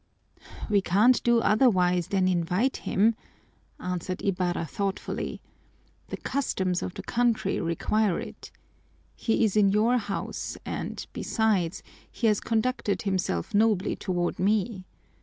"We can't do otherwise than invite him," answered Ibarra thoughtfully. "The customs of the country require it. He is in your house and, besides, he has conducted himself nobly toward me.